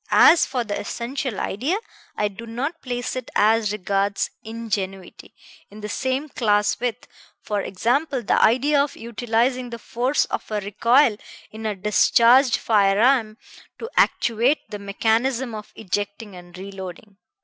As for the essential idea, I do not place it, as regards ingenuity, in the same class with, for example, the idea of utilizing the force of recoil in a discharged firearm to actuate the mechanism of ejecting and reloading.